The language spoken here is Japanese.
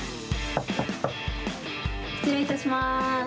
失礼いたします。